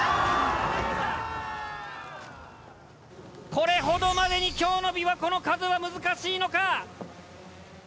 これほどまでに今日の琵琶湖の風は難しいのか。